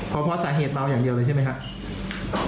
เพราะสาเหตุเมาอย่างเดียวเลยใช่ไหมครับ